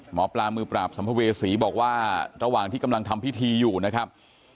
หมอปลามือปราบสัมภเวษีบอกว่าระหว่างที่กำลังทำพิธีอยู่นะครับ